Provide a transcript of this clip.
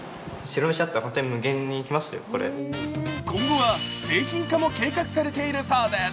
今後は製品化も計画されているそうです。